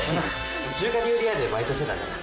中華料理屋でバイトしてたから。